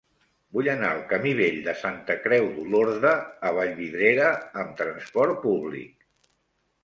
Vull anar al camí Vell de Santa Creu d'Olorda a Vallvidrera amb trasport públic.